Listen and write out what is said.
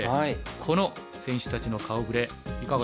この選手たちの顔ぶれいかがですか？